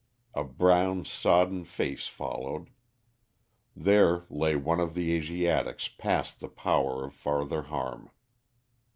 A brown sodden face followed. There lay one of the Asiatics past the power of further harm.